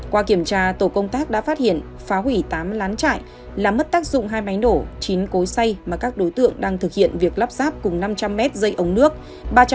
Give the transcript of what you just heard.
qua kiểm tra tổ công tác đã phát hiện phá hủy tám lán trại làm mất tác dụng hai máy nổ chín cối say mà các đối tượng đang thực hiện việc lắp ráp cùng năm trăm linh mét dây ống nước